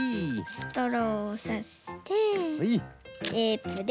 ストローをさしてテープで。